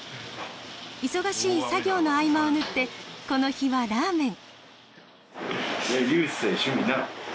忙しい作業の合間を縫ってこの日はラーメン。